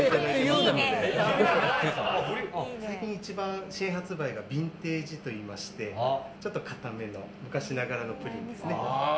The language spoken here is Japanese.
最近一番、新発売がビンテージといいましてちょっと硬めの昔ながらのプリンですね。